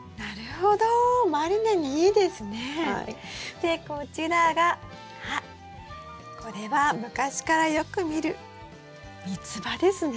でこちらがあっこれは昔からよく見るミツバですね。